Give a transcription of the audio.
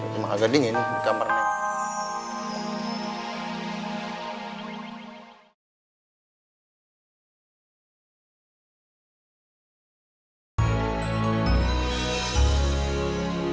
gak ada yang dingin di kamarnya